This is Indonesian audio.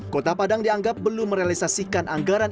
kota padang dianggap belum merealisasikan anggaran